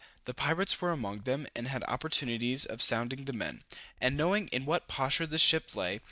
The pirates were among them, and had opportunities of sounding the men, and knowing in what posture the ship lay.